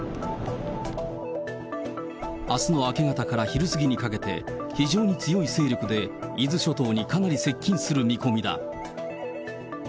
あすの明け方から昼過ぎにかけて、非常に強い勢力で、伊豆諸島にかなり接近する見込みだ。